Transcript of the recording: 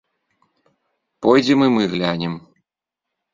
Пойдзем і мы глянем.